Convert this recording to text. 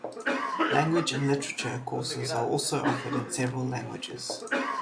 Language and literature courses are also offered in several languages.